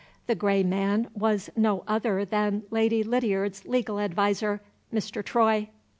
The gray man was no other than Lady Lydiard's legal adviser, Mr. Troy.